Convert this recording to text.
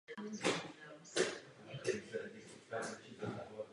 Ve světě můžeme hlaváček jarní najít na suchých teplých loukách a stepích v Eurasii.